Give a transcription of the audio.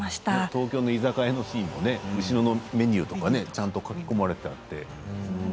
東京の居酒屋のシーンとか後ろのメニューとかちゃんと描き込まれていて。